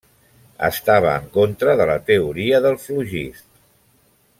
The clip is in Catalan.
Estava en contra de la teoria del flogist.